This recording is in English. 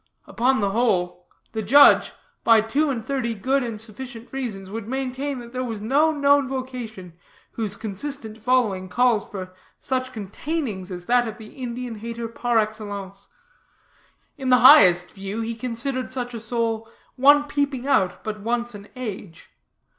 Upon the whole, the judge, by two and thirty good and sufficient reasons, would maintain that there was no known vocation whose consistent following calls for such self containings as that of the Indian hater par excellence. In the highest view, he considered such a soul one peeping out but once an age.